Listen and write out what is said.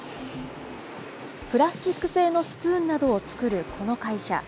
プラスチック製のスプーンなどを作るこの会社。